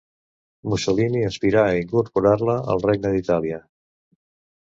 Mussolini aspirà a incorporar-la al Regne d'Itàlia.